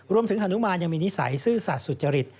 ฮานุมานยังมีนิสัยซื่อสัตว์สุจริต